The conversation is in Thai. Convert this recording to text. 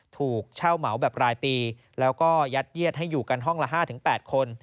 ถูกเช่าเหมาแบบรายปีแล้วก็ยัดเยียดให้อยู่กันห้องละ๕๘คน